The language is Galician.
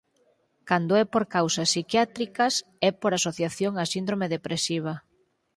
Cando é por causas psiquiátricas é por asociación á síndrome depresiva.